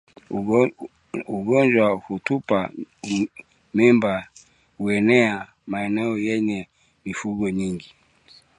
Ugonjwa wa kutupa mimba umeenea maeneo yenye mifugomingi